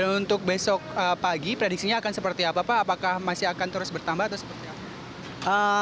untuk besok pagi prediksinya akan seperti apa pak apakah masih akan terus bertambah atau seperti apa